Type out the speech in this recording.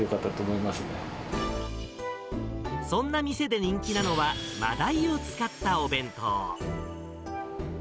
そんな店で人気なのは、マダイを使ったお弁当。